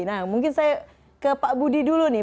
nah mungkin saya ke pak budi dulu nih